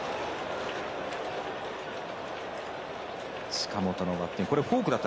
近本のバッティング。